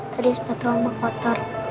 tadi sepatu oma kotor